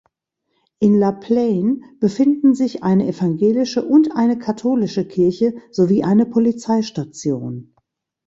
In La Plaine befinden sich eine evangelische und eine katholische Kirche sowie eine Polizeistation.